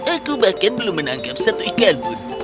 aku bahkan belum menangkap satu ikan pun